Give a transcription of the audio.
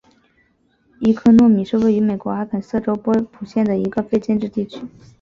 伊科诺米是位于美国阿肯色州波普县的一个非建制地区。